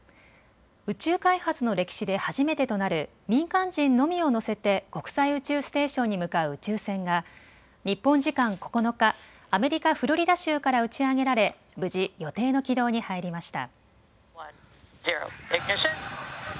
宇宙開発の歴史で初めてとなる民間人のみを乗せて国際宇宙ステーションに向かう宇宙船が日本時間９日、アメリカ・フロリダ州から打ち上げられ無事、予定の軌道に入りました。